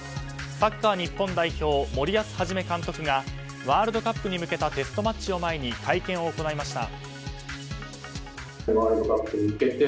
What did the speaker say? サッカー日本代表森保一監督がワールドカップに向けたテストマッチを前に会見を行いました。